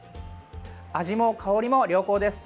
味も香りも良好です。